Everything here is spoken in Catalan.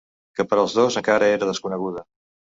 Que per als dos encara era desconeguda.